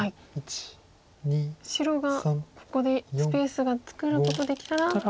白がここでスペースが作ることできたら。